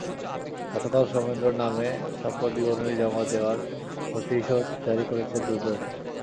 গতকাল সৌমেন্দ্রর নামে সম্পদ বিবরণী জমা দেওয়ার নোটিশও জারি করেছে দুদক।